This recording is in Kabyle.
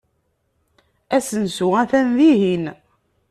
Asensu atan dihin.